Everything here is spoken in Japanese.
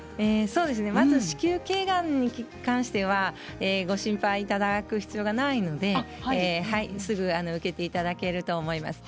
まず子宮けいがんに関してはご心配いただく必要がないのですぐ受けていただけると思います。